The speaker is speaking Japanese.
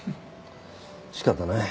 仕方ない。